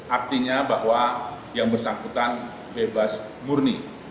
artinya bahwa yang bersangkutan bebas murni